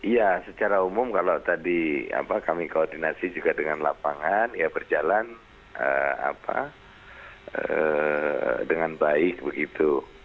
ya secara umum kalau tadi kami koordinasi juga dengan lapangan ya berjalan dengan baik begitu